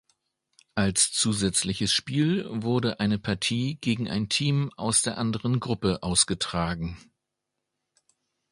Als zusätzliches Spiel wurde eine Partie gegen ein Team aus der anderen Gruppe ausgetragen.